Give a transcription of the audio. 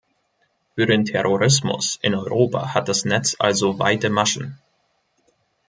Für den Terrorismus in Europa hat das Netz also weite Maschen.